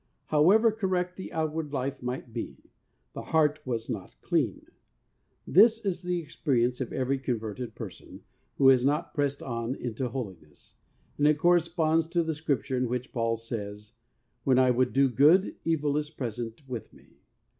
However correct the outward life might be, the heart was not clean. This is the experience of every converted person who has not pressed on into Holiness, and it corresponds to the Scripture in which Paul says, ' When I would do good, evil is present with me.